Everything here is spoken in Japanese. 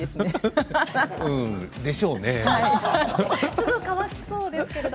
すぐ乾きそうですけれど。